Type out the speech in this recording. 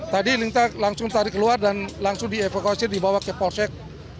tadi kita langsung tarik keluar dan langsung dievakuasinya di bawah kapolsek